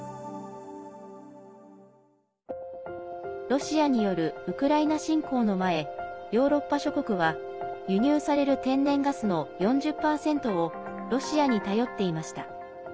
ロシアによるウクライナ侵攻の前ヨーロッパ諸国は輸入される天然ガスの４０％をロシアに頼っていました。